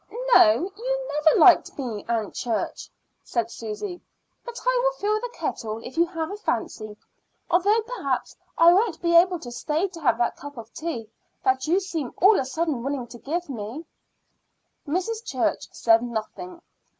"No, you never liked me, Aunt Church," said Susy; "but I will fill the kettle if you have a fancy although perhaps I won't be able to stay to have that cup of tea that you seem all of a sudden willing to give me." Mrs. Church said nothing.